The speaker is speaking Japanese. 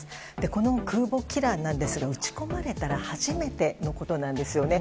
この空母キラーですが持ち込まれたのは初めてのことなんですよね。